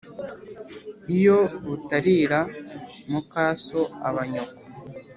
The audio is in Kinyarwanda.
Iyo butarira mukaso aba nyoko.